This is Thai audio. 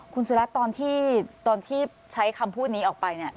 คุณสุรัตน์ตอนที่ใช้คำพูดนี้ออกไปเนี่ย